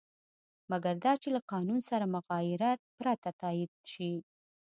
مګر دا چې له قانون سره مغایرت پرته تایید شي.